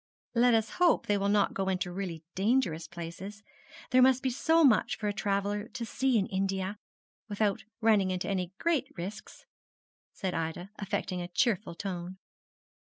'Let us hope they will not go into really dangerous places. There must be so much for a traveller to see in India, without running any great risks,' said Ida, affecting a cheerful tone.